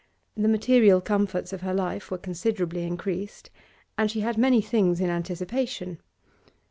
The material comforts of her life were considerably increased, and she had many things in anticipation.